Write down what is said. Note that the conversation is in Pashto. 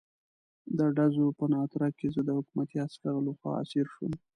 د ډزو په ناتار کې زه د حکومتي عسکرو لخوا اسیر شوم.